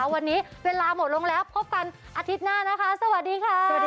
วันนี้เวลาหมดลงแล้วพบกันอาทิตย์หน้าสวัสดีครับ